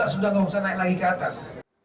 sudah tidak usah naik lagi ke atas